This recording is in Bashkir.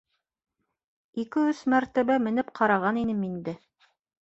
Ике-өс мәртәбә менеп ҡараған инем инде.